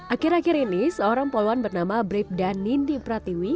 akhir akhir ini seorang poluan bernama bribdhan nindipratiwi